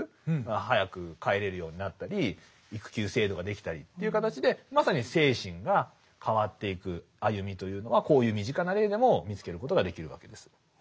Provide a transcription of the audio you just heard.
早く帰れるようになったり育休制度ができたりという形でまさに精神が変わっていく歩みというのはこういう身近な例でも見つけることができるわけです。